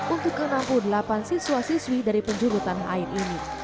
untuk ke enam puluh delapan siswa siswi dari penjulutan lain ini